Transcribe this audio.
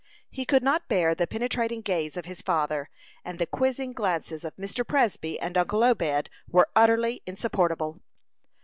He could not bear the penetrating gaze of his father, and the quizzing glances of Mr. Presby and uncle Obed were utterly insupportable.